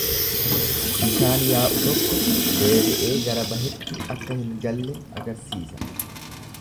Bishaan yaa'u tokko deebi'ee gara bahetti akka hin galle agarsiisa.